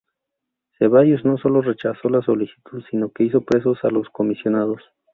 Ceballos no sólo rechazó la solicitud sino que hizo presos a los comisionados.